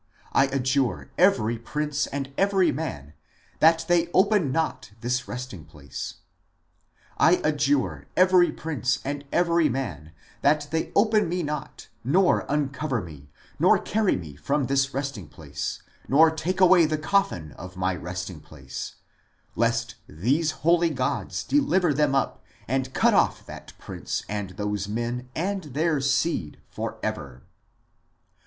... I adjure every prince and every man that they open not this resting place ... I adjure every prince and every man that they open me not, nor uncover me, nor carry me from this resting place, nor take away the coffin of my resting place, lest these holy gods deliver them up, and cut off that prince and those men, and their seed, for ever